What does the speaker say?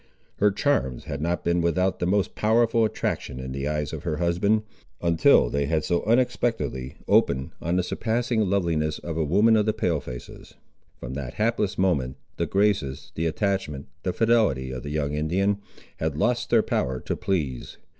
Her charms had not been without the most powerful attraction in the eyes of her husband, until they had so unexpectedly opened on the surpassing loveliness of a woman of the Pale faces. From that hapless moment the graces, the attachment, the fidelity of the young Indian, had lost their power to please.